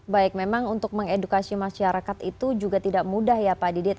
baik memang untuk mengedukasi masyarakat itu juga tidak mudah ya pak didit